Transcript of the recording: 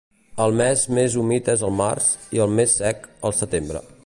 El mes més humit és el març i el més sec, el setembre.